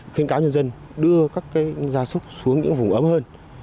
khuyên cáo nhân dân đưa các gia súc xuống những vùng ấm hơn